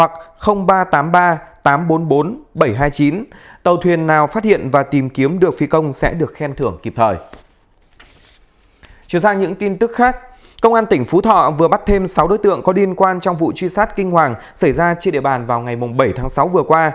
chuyển sang những tin tức khác công an tỉnh phú thọ vừa bắt thêm sáu đối tượng có liên quan trong vụ truy sát kinh hoàng xảy ra trên địa bàn vào ngày bảy tháng sáu vừa qua